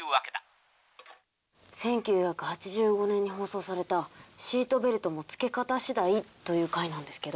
１９８５年に放送された「シートベルトもつけ方しだい」という回なんですけど。